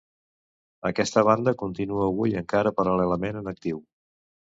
Aquesta banda continua avui encara paral·lelament en actiu.